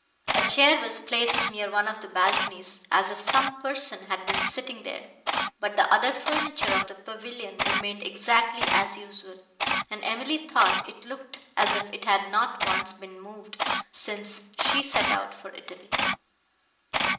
A chair was placed near one of the balconies, as if some person had been sitting there, but the other furniture of the pavilion remained exactly as usual, and Emily thought it looked as if it had not once been moved since she set out for Italy.